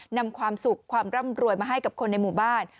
นำความสุขความร่ำรวยมาให้กับคนในหมู่บ้าน